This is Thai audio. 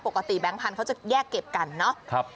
แบงค์พันธุ์เขาจะแยกเก็บกันเนาะ